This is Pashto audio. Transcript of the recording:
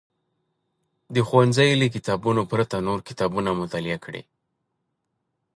د ښوونځي له کتابونو پرته نور کتابونه مطالعه کړي.